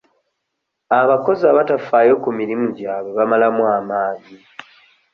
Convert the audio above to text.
Abakozi abatafaayo ku mirimu gyabwe bamalamu amaanyi.